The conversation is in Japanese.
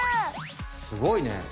すごいね。